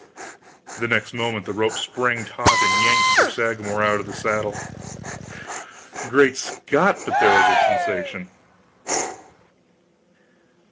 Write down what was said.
The next moment the rope sprang taut and yanked Sir Sagramor out of the saddle! Great Scott, but there was a sensation!